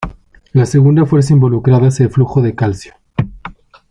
La segunda fuerza involucrada es el flujo de Calcio.